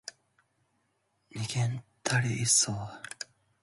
내겐 딸이 있어.